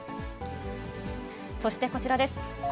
そしてこちらです。